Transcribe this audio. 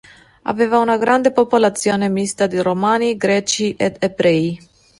Aveva una grande popolazione mista di Romani, Greci ed Ebrei.